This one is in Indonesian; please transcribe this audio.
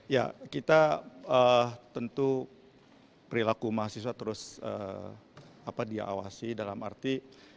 ya kita tentu perilaku mahasiswa terus diawasi dalam arti